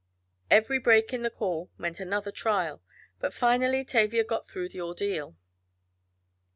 Every break in the call meant another trial, but finally Tavia got through the ordeal.